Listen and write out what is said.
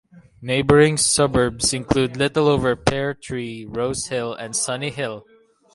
Neighbouring suburbs include Littleover, Pear Tree, Rose Hill and Sunny Hill.